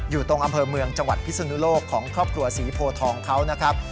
อยู่ตรงอำเภอเมืองจังหวัดพิศนุโลกของครอบครัวศรีโพทองเขานะครับ